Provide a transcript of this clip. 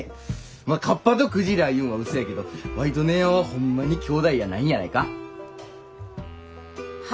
まあカッパとクジラいうんはうそやけどワイと姉やんはホンマにきょうだいやないんやないか？は？